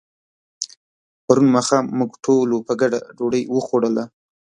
پرون ماښام موږ ټولو په ګډه ډوډۍ وخوړله.